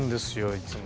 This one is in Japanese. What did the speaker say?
いつも。